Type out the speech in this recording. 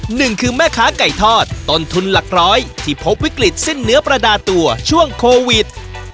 หนึ่งคือแม่ค้าไก่ทอดต้นทุนหลักร้อยที่พบวิกฤตสิ้นเนื้อประดาตัวช่วงโควิด